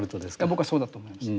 僕はそうだと思います。